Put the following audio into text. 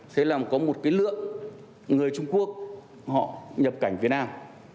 thế là có một cái lượng người trung quốc họ nhập cảnh việt nam